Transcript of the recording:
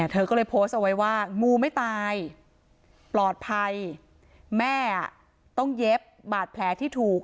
เธอก็เลยโพสต์เอาไว้ว่างูไม่ตายปลอดภัยแม่ต้องเย็บบาดแผลที่ถูก